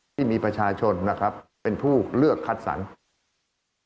ที่มีประชาชนเป็นผู้เลือกคัดสรรค์